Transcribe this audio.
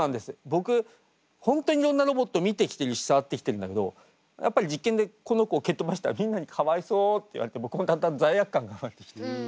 僕本当にいろんなロボットを見てきてるし触ってきてるんだけどやっぱり実験でこの子を蹴っ飛ばしたらみんなに「かわいそう」って言われて僕もだんだん罪悪感が生まれてきて。